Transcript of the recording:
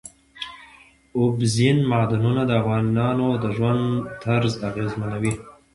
اوبزین معدنونه د افغانانو د ژوند طرز اغېزمنوي.